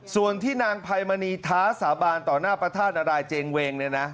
ส่วนที่นางไพมณีท้าสาบานต่อหน้าพระธาตุนารายเจงเวงเนี่ยนะ